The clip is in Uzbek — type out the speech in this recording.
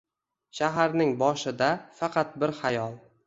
Shaharning boshida faqat bir xayol: